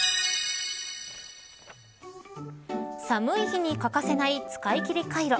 寒い日に欠かせない使いきりカイロ。